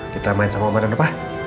kita main sama omadana pak